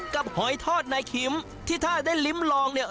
หอยทอดนายคิมที่ถ้าได้ลิ้มลองเนี่ย